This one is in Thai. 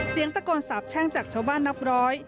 เสียงตะโกนสาบแช่งจากชาวบ้านนับร้อย